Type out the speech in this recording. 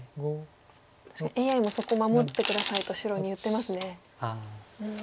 確かにＡＩも「そこ守って下さい」と白に言ってますね。